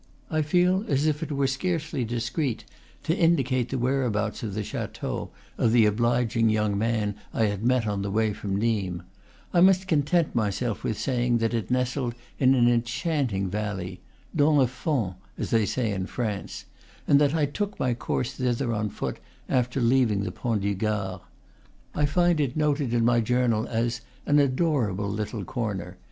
I feel as if it were scarcely discreet to indicate the whereabouts of the chateau of the obliging young man I had met on the way from Nimes; I must con tent myself with saying that it nestled in an en chanting valley, dans le fond, as they say in France, and that I took my course thither on foot, after leaving the Pont du Gard. I find it noted in my journal as "an adorable little corner."